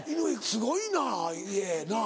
すごいな家なぁ。